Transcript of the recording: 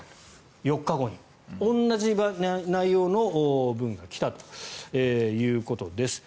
４日後に、同じ内容の文が来たということです。